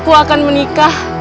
aku akan menikah